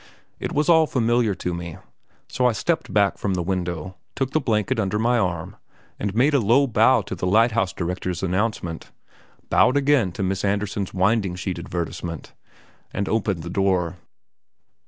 It was all familiar to me, so I stepped back from the window, took the blanket under my arm, and made a low bow to the lighthouse director's announcement, bowed again to Miss Andersen's winding sheet advertisement, and opened the door.